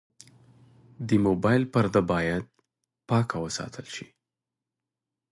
د موبایل پرده باید پاکه وساتل شي.